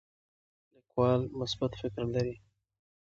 لیکوال مثبت فکر لري.